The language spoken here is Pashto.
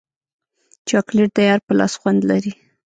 چاکلېټ د یار په لاس خوند لري.